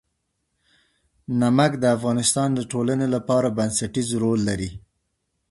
نمک د افغانستان د ټولنې لپاره بنسټيز رول لري.